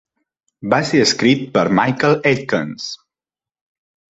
Va ser escrit per Michael Aitkens.